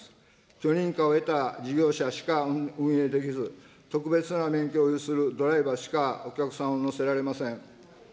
許認可を得た事業者しか運営できず、特別な免許を有するドライバーしかお客さんを乗せられません。